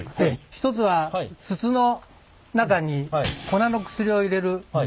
一つは筒の中に粉の薬を入れる花火。